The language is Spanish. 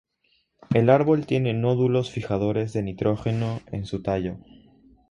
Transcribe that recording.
El árbol tiene nódulos fijadores de nitrógeno en su tallo.